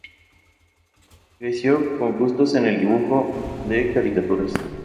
Creció con gustos en el dibujo de caricaturas.